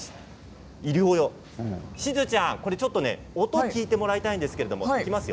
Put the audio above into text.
しずちゃん、音を聞いてもらいたいんですけどいきますよ！